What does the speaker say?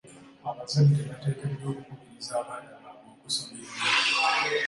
Abazadde bateekeddwa okukubiriza abaana baabwe okusoma ennyo.